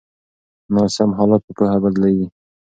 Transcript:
ناسم حالات په پوهه بدلیږي.